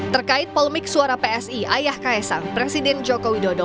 terkait polemik suara psi ayah kaesang presiden joko widodo